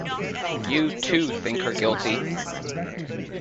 You, too, think her guilty!